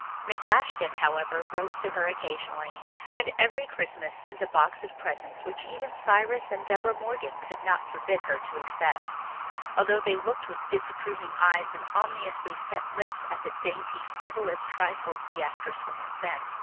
Miss Ashton, however, wrote to her occasionally, and every Christmas sent a box of presents which even Cyrus and Deborah Morgan could not forbid her to accept, although they looked with disapproving eyes and ominously set lips at the dainty, frivolous trifles the actress woman sent.